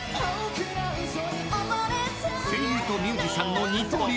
［声優とミュージシャンの二刀流］